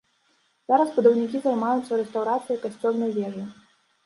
Зараз будаўнікі займаюцца рэстаўрацыяй касцёльнай вежы.